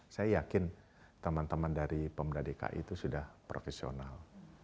saya yakin teman teman dari pemda dki itu sudah profesional